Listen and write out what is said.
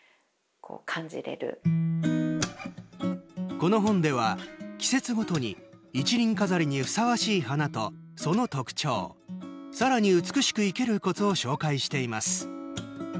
この本では季節ごとに一輪飾りにふさわしい花とその特徴さらに美しく生けるコツを紹介しています。